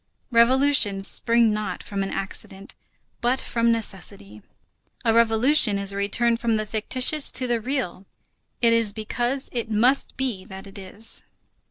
Revolutions spring not from an accident, but from necessity. A revolution is a return from the fictitious to the real. It is because it must be that it is.